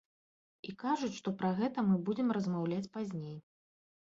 І кажуць, што пра гэта мы будзем размаўляць пазней.